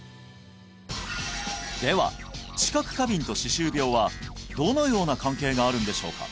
では知覚過敏と歯周病はどのような関係があるんでしょうか？